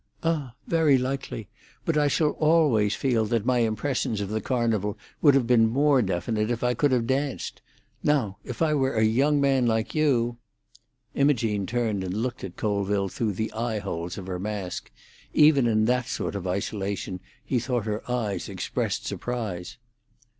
"Ah, very likely; but I shall always feel that my impressions of the Carnival would have been more definite if could have danced. Now, if I were a young man like you——" Imogene turned and looked at Colville through the eye holes of her mask; even in that sort of isolation he thought her eyes expressed surprise.